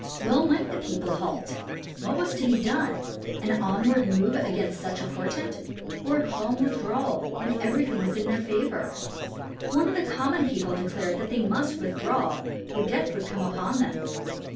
Well might the people halt. What was to be done, an onward move against such a portent, or a calm withdrawal when everything was in their favor? One of the common people declared that they must withdraw or death would come upon them.